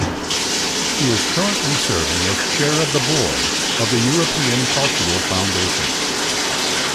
He is currently serving as chair of the Board of the European Cultural Foundation.